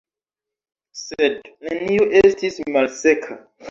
Sed neniu estis malseka.